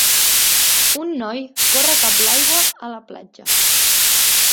Un noi corre cap l'aigua a la platja